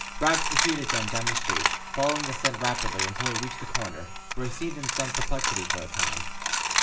Rags preceded them down the street, following the scent rapidly until he reached the corner, where he seemed in some perplexity for a time.